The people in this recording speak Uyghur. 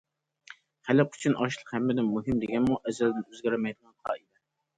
خەلق ئۈچۈن ئاشلىق ھەممىدىن مۇھىم دېگەنمۇ ئەزەلدىن ئۆزگەرمەيدىغان قائىدە.